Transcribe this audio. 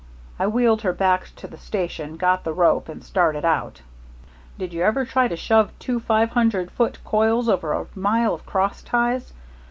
I wheeled her back to the station, got the rope, and started out. Did you ever try to shove two five hundred foot coils over a mile of crossties?